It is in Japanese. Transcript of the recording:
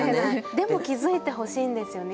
でも気付いてほしいんですよね